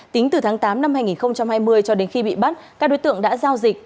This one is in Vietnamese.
tính từ tháng tám năm hai nghìn hai mươi cho đến khi bị bắt các đối tượng đã giao dịch